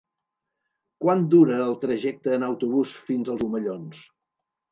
Quant dura el trajecte en autobús fins als Omellons?